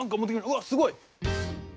うわっすごい！